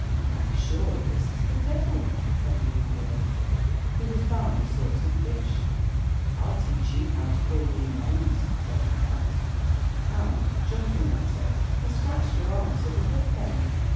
"Why, surely this is the devil," said a young girl, who was by, sorting fish. "I'll teach you how to call me names," said the cat; and, jumping at her, he scratched her arm till the blood came.